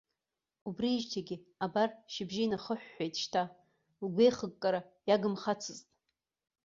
Убриижьҭеигьы, абар, шьыбжьы инахыҳәҳәеит шьҭа, лгәеихыккара иагымхацызт.